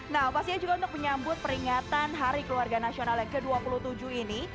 nah pastinya juga untuk menyambut peringatan hari keluarga nasional yang ke dua puluh tujuh ini